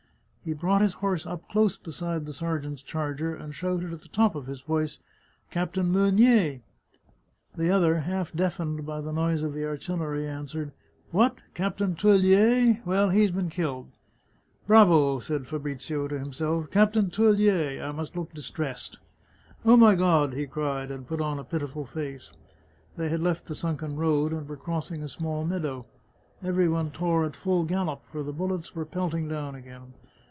He brought his horse up close beside the sergeant's charger, and shouted at the top of his voice :" Captain Meunier." The other, half deafened by the noise of the artillery, answered, " What ! Captain Teulier ? Well, he's been killed !"" Bravo !" said Fabrizio to himself. " Captain Teulier ! I must look distressed." " Oh, my God !" he cried, and put on a pitiful face. They had left the sunken road, and were crossing a small meadow. Every one tore at full gallop, for the bullets were pelting down again.